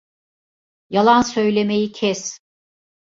Yalan söylemeyi kes!